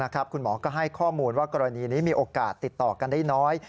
คุณหมอก็ให้ข้อมูลว่ากรณีนี้มีโอกาสติดต่อกันได้น้อย